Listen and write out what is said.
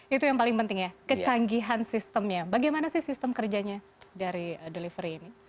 itu yang paling penting ya kecanggihan sistemnya bagaimana sih sistem kerjanya dari delivery ini